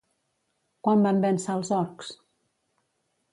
Quan van vèncer als orcs?